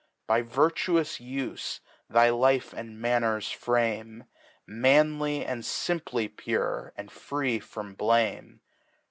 By virtuous Ufc thy Life and Manners frame. Manly and fimply purfe, and free from Blame.